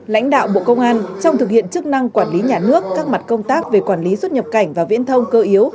lãnh đạo bộ công an trong thực hiện chức năng quản lý nhà nước các mặt công tác về quản lý xuất nhập cảnh và viễn thông cơ yếu